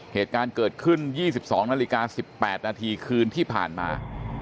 เหตุการณ์เกิดขึ้น๒๒นาฬิกา๑๘นาทีคืนที่ผ่านมา